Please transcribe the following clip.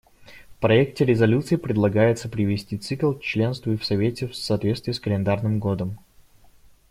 В проекте резолюции предлагается привести цикл членства в Совете в соответствие с календарным годом.